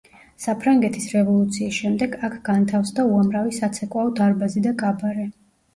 საფრანგეთის რევოლუციის შემდეგ აქ განთავსდა უამრავი საცეკვაო დარბაზი და კაბარე.